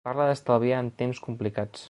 Parla d’estalviar en temps complicats.